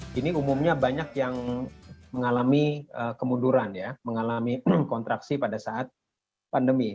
kini umumnya banyak yang mengalami kemunduran ya mengalami kontraksi pada saat pandemi